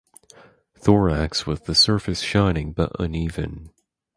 Thorax with the surface shining but uneven.